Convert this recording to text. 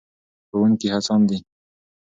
ښوونکي هڅاند دي.